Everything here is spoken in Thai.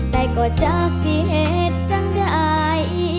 แต่ก็จากสิเห็นจังจะย